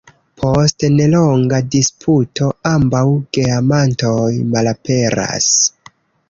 Post nelonga disputo, ambaŭ geamantoj malaperas.